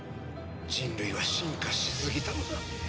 人類は進化しすぎたのだ。